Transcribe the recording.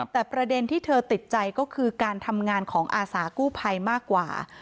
แต่ประเด็นที่เธอติดใจก็คือการทำงานของอาสากู้ภัยมากกว่า